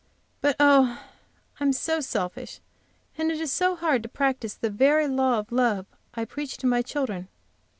But, oh! I am so selfish, and it is so hard to practice the very law of love I preach to my children!